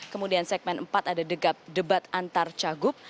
kemudian segmen empat ada debat antar cagup